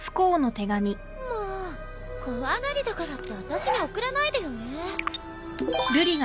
もう怖がりだからってあたしに送らないでよね。